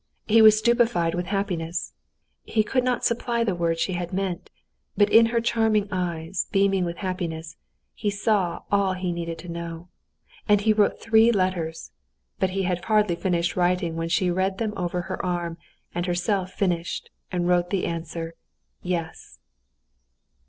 He was stupefied with happiness. He could not supply the word she had meant; but in her charming eyes, beaming with happiness, he saw all he needed to know. And he wrote three letters. But he had hardly finished writing when she read them over her arm, and herself finished and wrote the answer, "Yes."